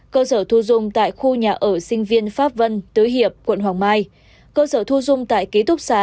cơ sở thu dung tại khu nhà ở sinh viên pháp vân tứ hiệp quận hoàng mai cơ sở thu dung tại ký túc xá